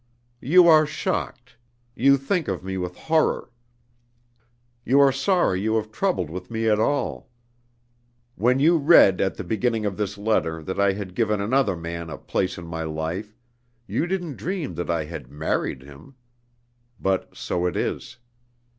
"You are shocked. You think of me with horror. You are sorry you have troubled with me at all. When you read at the beginning of this letter that I had given another man a 'place in my life,' you didn't dream that I had married him. But so it is.